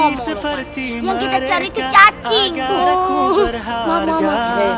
agar aku berharga